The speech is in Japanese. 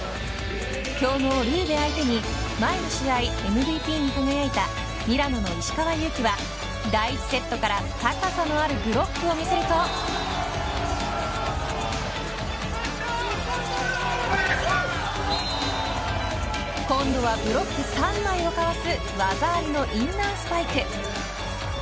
強豪ルーベ相手に前の試合ＭＶＰに輝いたミラノの石川祐希は、第１セットから高さのあるブロックを見せると今度はブロック３枚をかわす技ありのインナースパイク。